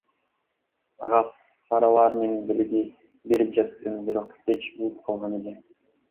Ага фаралар менен белги берип жатттым, бирок кеч болуп калган эле.